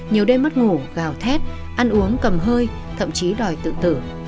nhiều đêm mất ngủ gào thét ăn uống cầm hơi thậm chí đòi tự tử